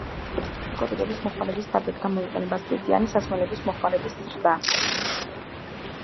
ნარკოტიკების მოხმარების ფართედ გამოიყენება, სპირტიანი სასმელების მოხმარების ზრდა.